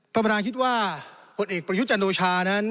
ท่านประธานคิดว่าผลเอกประยุจันโอชานั้น